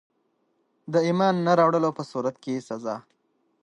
د ایمان نه راوړلو په صورت کي سزا.